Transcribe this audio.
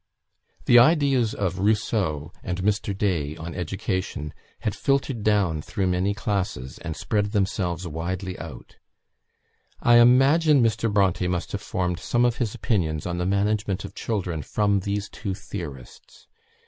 The ideas of Rousseau and Mr. Day on education had filtered down through many classes, and spread themselves widely out. I imagine, Mr. Bronte must have formed some of his opinions on the management of children from these two theorists.